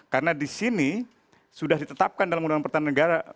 karena di sini sudah ditetapkan dalam undang undang pertahanan negara